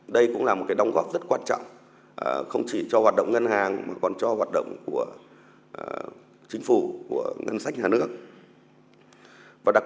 đây cũng là một đóng góp rất quan trọng không chỉ cho hoạt động ngân hàng mà còn cho hoạt động của toàn hệ thống